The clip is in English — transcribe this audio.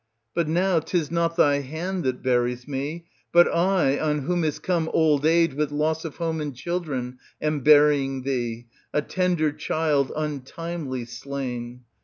But now 'tis not thy hand that buries me, but I, on whom is come old age with loss of home and children, am burying thee, a tender child untimely slain.